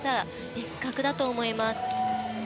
別格だと思います。